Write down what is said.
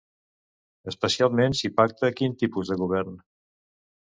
Especialment si pacta quin tipus de govern?